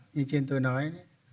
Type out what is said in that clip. như trên tôi nói